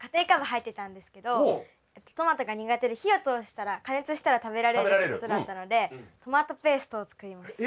トマトが苦手で火を通したら加熱したら食べられるってことだったのでトマトペーストを作りました。